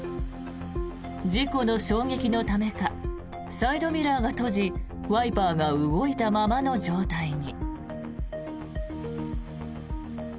事故の衝撃のためかサイドミラーが閉じワイパーが動いたままの状態に。